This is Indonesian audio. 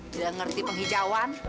gak ngerti penghijauan